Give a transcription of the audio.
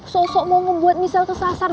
sosok mau ngebuat michelle kesasar